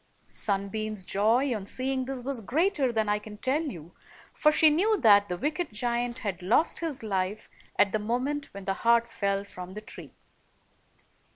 Sunbeam's joy on seeing this was greater than I can tell you, for she knew that the wicked giant had lost his life at the moment when the heart fell from the tree.